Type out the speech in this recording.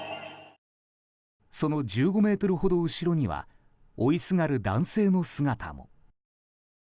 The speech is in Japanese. その１５ｍほど後ろには追いすがる男性の姿も。